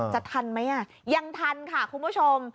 อ๋อจะทันไหมอ่ะยังทันค่ะคุณผู้ชม